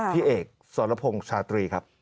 พี่เอกสรพงศ์ชาตรีครับ